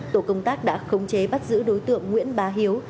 tổ công tác đã khống chế bắt giữ đối tượng nguyễn bá hiếu